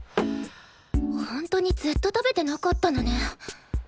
ほんとにずっと食べてなかったのね。